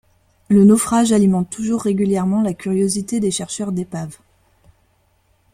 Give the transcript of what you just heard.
Le naufrage alimente toujours régulièrement la curiosité des chercheurs d'épaves.